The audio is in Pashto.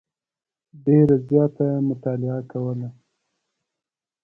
ډېره زیاته مطالعه کوله.